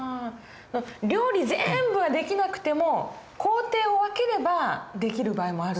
料理全部はできなくても工程を分ければできる場合もある。